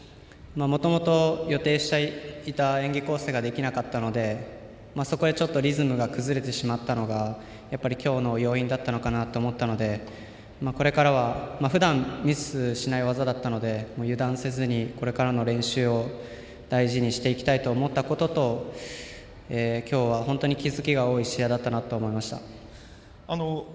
もともと予定していた演技構成ができなかったのでそこでちょっとリズムが崩れてしまったのがやっぱり今日の要因だったのかなと思ったのでふだんミスしない技だったので油断せずに、これからも練習を大事にしていきたいと思ったことと今日は本当に気づきが多い試合だったなと思いました。